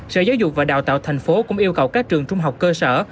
sở giáo dục và đào tạo thành phố cũng yêu cầu các trường trung học cơ sở